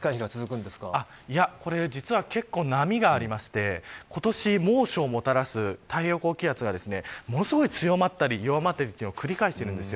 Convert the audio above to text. これ実は、結構波がありまして今年、猛暑をもたらす太平洋高気圧がものすごく強まったり弱まったりというのを繰り返しているんです。